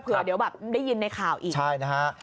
เผื่อเดี๋ยวแบบได้ยินในข่าวอีกใช่นะฮะ